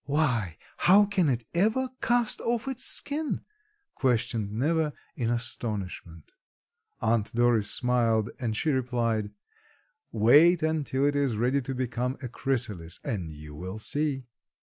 "Why, how can it ever cast off its skin?" questioned Neva in astonishment. Aunt Doris smiled as she replied: "Wait until it is ready to become a chrysalis and you will see."